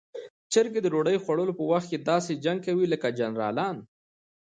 چرګې د ډوډۍ خوړلو په وخت کې داسې جنګ کوي لکه جنرالان.